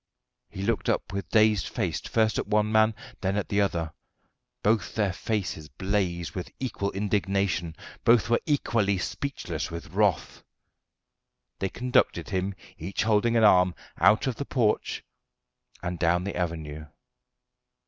He looked up with dazed face first at one man, then at the other: both their faces blazed with equal indignation; both were equally speechless with wrath. They conducted him, each holding an arm, out of the porch and down the avenue.